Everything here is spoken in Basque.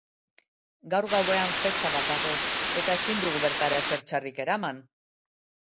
Gaur gauean festa bat dago, eta ezin dugu bertara ezer txarrik eraman!